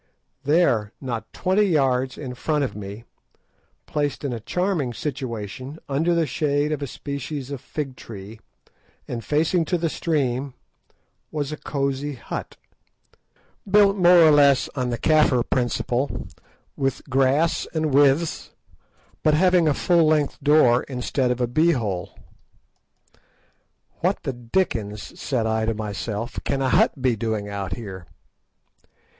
There, not twenty yards in front of me, placed in a charming situation, under the shade of a species of fig tree, and facing to the stream, was a cosy hut, built more or less on the Kafir principle with grass and withes, but having a full length door instead of a bee hole. "What the dickens," said I to myself, "can a hut be doing here?"